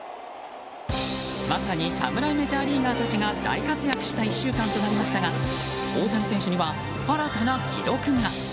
まさに侍メジャーリーガーたちが大活躍した１週間となりましたが大谷選手には新たな記録が。